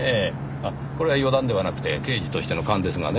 あっこれは予断ではなくて刑事としての勘ですがね。